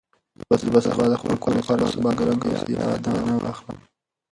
زه به سبا د خپل کور لپاره یو څه بادرنګ او سیاه دانه واخلم.